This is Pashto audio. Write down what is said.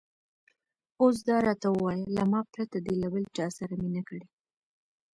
اوس دا راته ووایه، له ما پرته دې له بل چا سره مینه کړې؟